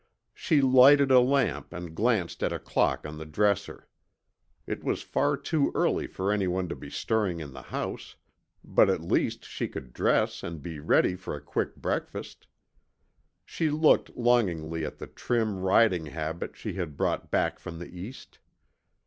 She lighted a lamp and glanced at a clock on the dresser. It was far too early for anyone to be stirring in the house, but at least she could dress and be ready for a quick breakfast. She looked longingly at the trim riding habit she had brought back from the East.